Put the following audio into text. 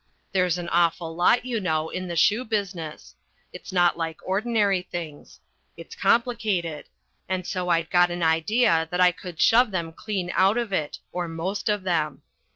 There's an awful lot, you know, in the shoe business. It's not like ordinary things. It's complicated. And so I'd got an idea that I would shove them clean out of it or most of them.